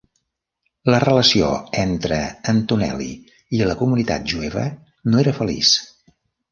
La relació entre Antonelli i la comunitat jueva no era feliç.